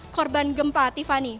korban gempa tiffany